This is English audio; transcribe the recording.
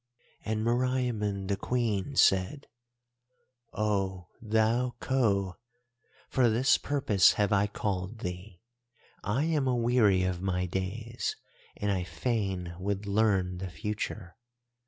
"And Meriamun the Queen said, 'Oh, thou Khou, for this purpose have I called thee. I am aweary of my days and I fain would learn the future.